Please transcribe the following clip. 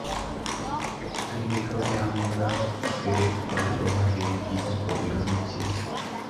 এই বৃক্ষকে আমরা পেরেক বা লোহা হেনে কি তার প্রতিদান দিচ্ছি?